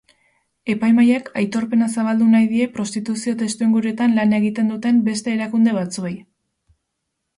Epaimahaiak aitorpena zabaldu nahi die prostituzio-testuinguruetan lan egiten duten beste erakunde batzuei.